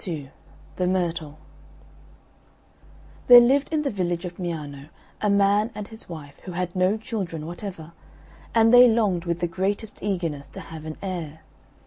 II THE MYRTLE There lived in the village of Miano a man and his wife, who had no children whatever, and they longed with the greatest eagerness to have an heir.